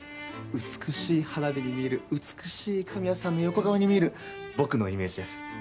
美しい花火に魅入る美しい神谷さんの横顔に魅入る僕のイメージです。